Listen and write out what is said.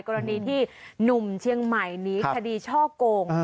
กรณีที่หนุ่มเชียงใหม่หนีคดีช่อโกง